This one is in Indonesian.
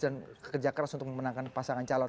pilihannya jakarta untuk memenangkan pasangan calon